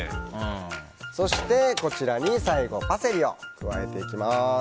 そして、最後パセリを加えていきます。